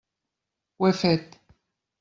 Ho he fet.